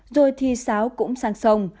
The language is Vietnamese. rồi thi sáo cũng sang sông